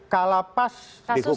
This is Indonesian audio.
kalapas dihukum empat tahun